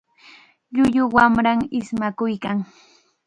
Llullu wamram ismakuykan.